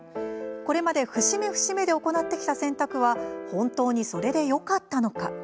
これまで節目節目で行ってきた選択は本当にそれでよかったのか？